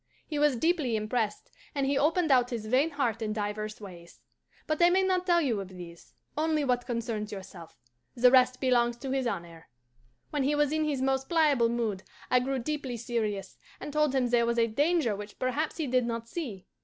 "He was deeply impressed, and he opened out his vain heart in divers ways. But I may not tell you of these only what concerns yourself; the rest belongs to his honour. When he was in his most pliable mood, I grew deeply serious, and told him there was a danger which perhaps he did not see.